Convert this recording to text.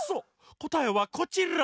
こたえはこちら。